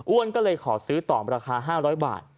ก็เลยขอซื้อต่อราคา๕๐๐บาท